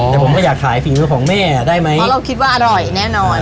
แต่ผมก็อยากขายฝีมือของแม่ได้ไหมเพราะเราคิดว่าอร่อยแน่นอน